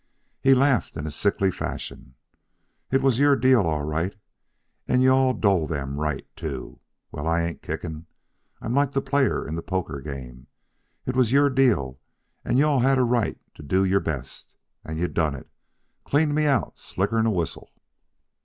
He laughed in a sickly fashion. "It was your deal all right, and you all dole them right, too. Well, I ain't kicking. I'm like the player in that poker game. It was your deal, and you all had a right to do your best. And you done it cleaned me out slicker'n a whistle."